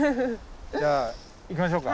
じゃあ行きましょうか。